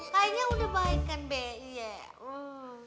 kayaknya udah baik kan bek